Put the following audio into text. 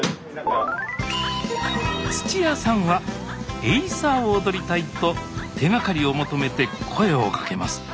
土屋さんはエイサーを踊りたいと手がかりを求めて声を掛けます。